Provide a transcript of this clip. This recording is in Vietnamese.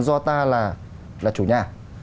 do ta là chủ nhà